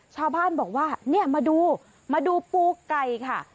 ชาวบ้านบอกว่าเนี่ยมาดูมาดูปูไก่ค่ะ